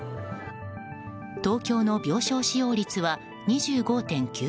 東京の病床使用率は２５．９％。